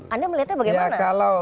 anda melihatnya bagaimana